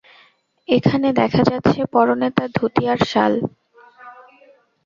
এখানে দেখা যাচ্ছে পরনে তার ধুতি আর শাল।